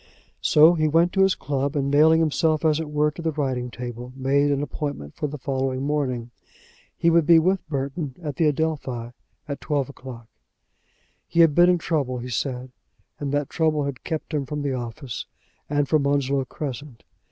So he went to his club, and nailing himself as it were to the writing table, made an appointment for the following morning. He would be with Burton at the Adelphi at twelve o'clock. He had been in trouble, he said, and that trouble had kept him from the office and from Onslow Crescent.